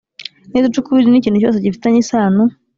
Niduca ukubiri n ikintu cyose gifitanye isano